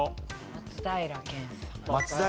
松平健さん。